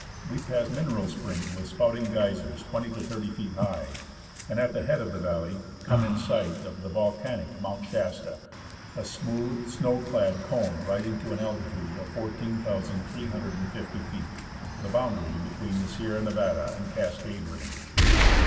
We pass mineral springs with spouting geysers twenty to thirty feet high, and at the head of the valley come in sight of the volcanic Mount Shasta, a smooth, snow clad cone rising to an altitude of 14,350 feet, the boundary between the Sierra Nevada and the Cascade Range.